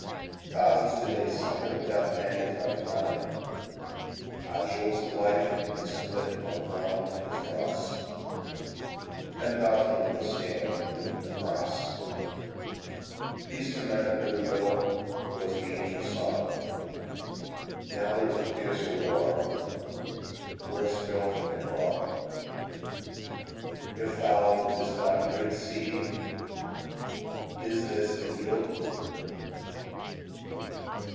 Thousands to day suffer death pangs like thine; Our jewels of life are spilt on the ground as dross; Ten thousand mothers stand beneath the cross. Peace to men of goodwill was the angels' song: Now there is fiercer war, worse filth and wrong. If thou didst sow good seed, is this the yield?